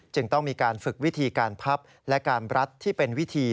ต้องมีการฝึกวิธีการพับและการรัดที่เป็นวิธี